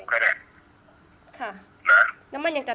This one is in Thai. คุณพ่อได้จดหมายมาที่บ้าน